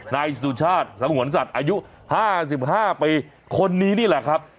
นายสุชาติสงวนสัตว์อายุ๕๕ปีคนนี้นี่แหละครับ